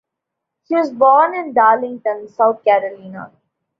He was born in Darlington, South Carolina.